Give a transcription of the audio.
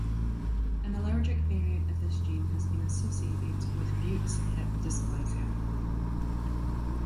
An allelic variant of this gene has been associated with Beukes hip dysplasia.